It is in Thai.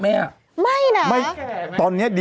เป็นการกระตุ้นการไหลเวียนของเลือด